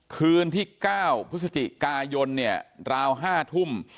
คืนที่เก้าพฤศจิกายนเนี้ยราวห้าทุ่ม